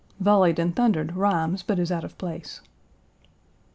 "Volleyed and thundered rhymes but is out of place."